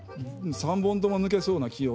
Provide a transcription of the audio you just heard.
３本とも抜けそうな。